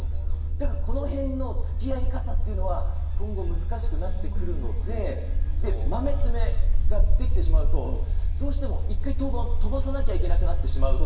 だからこのへんのつきあい方っていうのは、今後、難しくなってくるので、マメ、爪が出来てしまうと、どうしても一回、登板を飛ばさなくちゃいけなくなってしまうと。